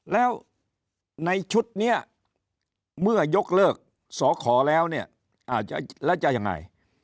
แล้วในชุดนี้เมื่อยกเลิกสอขอแล้วเนี่ยแล้วจะยังไง